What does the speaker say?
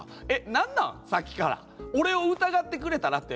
何なん、さっきから俺を疑ってくれたらって。